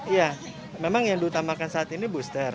ya memang yang diutamakan saat ini booster